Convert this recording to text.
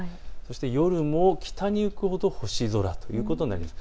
夜も北に行くほど星空ということになります。